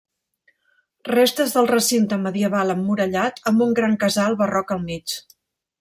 Restes del recinte medieval emmurallat amb un gran casal barroc al mig.